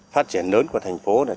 phát triển lớn của thành phố này